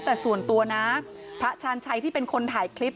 แต่ส่วนตัวนะพระชาญชัยที่เป็นคนถ่ายคลิป